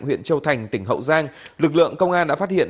huyện châu thành tỉnh hậu giang lực lượng công an đã phát hiện